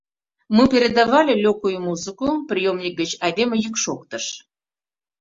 — Мы передавали лёгкую музыку, — приёмник гыч айдеме йӱк шоктыш.